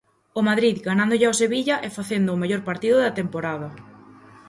O Madrid gañándolle o Sevilla e facendo o mellor partido da temporada.